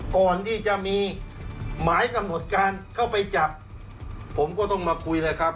ก่อนที่จะมีหมายกำหนดการเข้าไปจับผมก็ต้องมาคุยเลยครับ